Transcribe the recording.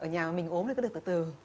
ở nhà mình ốm thì cứ được từ từ